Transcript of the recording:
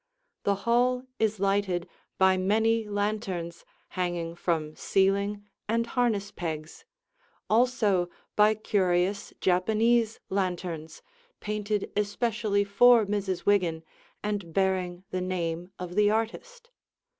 The hall is lighted by many lanterns hanging from ceiling and harness pegs, also by curious Japanese lanterns painted especially for Mrs. Wiggin and bearing the name of the artist.